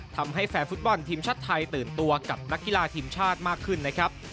ทำให้แฟนฟุตบอลทีมชาติไทยตื่นตัวกับนักกีฬาทีมชาติมากขึ้นนะครับ